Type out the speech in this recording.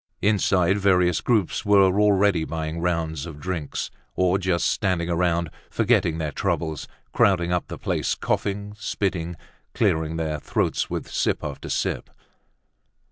Inside various groups were already buying rounds of drinks, or just standing around, forgetting their troubles, crowding up the place, coughing, spitting, clearing their throats with sip after sip.